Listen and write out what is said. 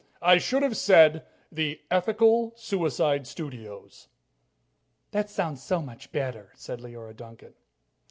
"I should have said, 'Ethical Suicide Studios,'" he said. "That sounds so much better," said Leora Duncan.